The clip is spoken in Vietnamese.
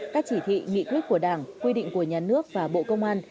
các chỉ thị nghị quyết của đảng quy định của nhà nước và bộ công an